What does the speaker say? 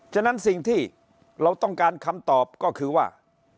ฉะนั้นสิ่งที่เราต้องการคำตอบก็คือว่า